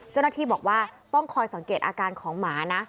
เจ้าหน้าที่บอกว่าต้องคอยสังเกตอาการของหมานะ